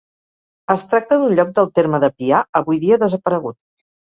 Es tracta d'un lloc del terme de Pià avui dia desaparegut.